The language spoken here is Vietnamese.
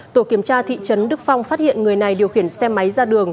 tổ kiểm tra thị trấn đức phong phát hiện người này điều khiển xe máy ra đường